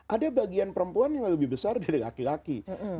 ada bagian perempuan yang lebih besar dari laki laki